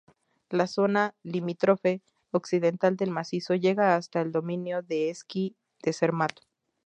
La zona limítrofe occidental del macizo llega hasta el dominio de esquí de Zermatt.